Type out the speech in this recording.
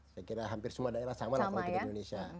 saya kira hampir semua daerah sama lah kalau kita di indonesia